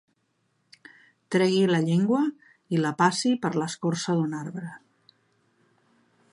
Tregui la llengua i la passi per l'escorça d'un arbre.